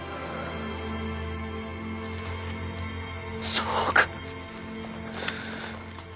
そうか。